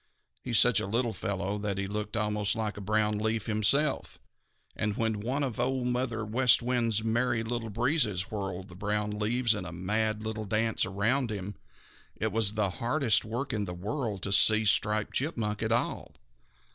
He is such a little fellow that he looked almost like a brown leaf himself, and when one of Old Mother West Wind's Merry Little Breezes whirled the brown leaves in a mad little dance around him, it was the hardest work in the world to see Striped Chipmunk at all.